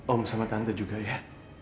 om sama tante juga ya